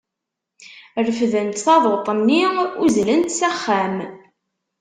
Refdent taduṭ-nni uzlent s axxam.